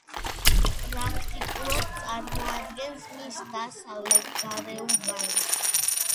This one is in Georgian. პრაქტიკულად წარმოადგენს მის დასავლეთ გარეუბანს.